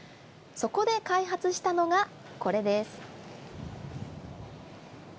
そこで、開発したのがこれです。